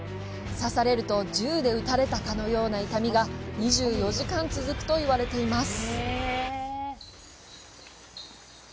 刺されると銃で撃たれたかのような痛みが２４時間続くと言われています。